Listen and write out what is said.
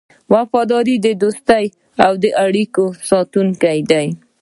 وفاداري د دوستۍ او اړیکو ساتونکی دی.